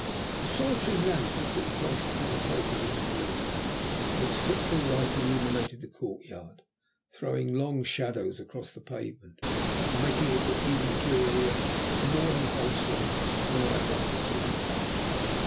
A solitary lamp had been placed upon the coping of the wall, and its fitful light illuminated the courtyard, throwing long shadows across the pavement and making it look even drearier and more unwholesome than when I had last seen it.